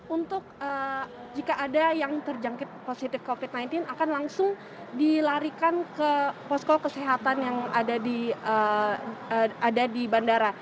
untuk jika ada yang terjangkit positif covid sembilan belas akan langsung dilarikan ke posko kesehatan yang ada di bandara